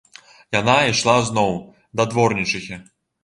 Яна ішла зноў да дворнічыхі.